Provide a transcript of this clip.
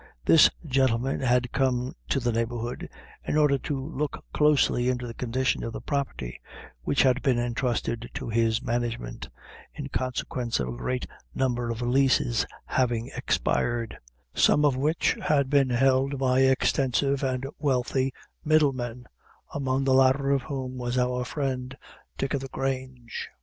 This gentleman had come to the neighborhood, in order to look closely into the condition of the property which had been entrusted to his management, in consequence of a great number of leases having expired; some of which had been held by extensive and wealthy middlemen, among the latter of whom was our friend, Dick o' the Grange.